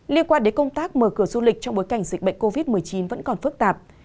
liên quan đến công tác mở cửa du lịch trong bối cảnh dịch bệnh covid một mươi chín vẫn còn phức tạp